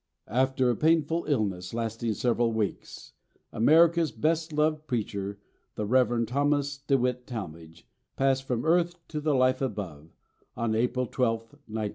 "After a painful illness, lasting several weeks, America's best beloved preacher, the Reverend Thomas DeWitt Talmage, passed from earth to the life above, on April 12th, 1902.